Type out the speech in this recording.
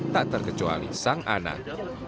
tak terkecuali sang anak